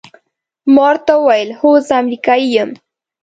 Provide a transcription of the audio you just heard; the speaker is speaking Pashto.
ما ورته وویل: هو، زه امریکایی یم.